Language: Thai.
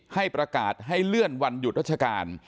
ให้ประกาศให้เลื่อนวันหยุดราชการ